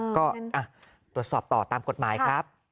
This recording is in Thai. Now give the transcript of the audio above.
ก็ตรวจสอบต่อตามกฎหมายครับ